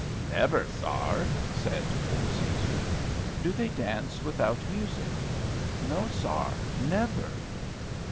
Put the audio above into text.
"Never, sar," said poor Cæsar. "Do they dance without music?" "No, sar; never."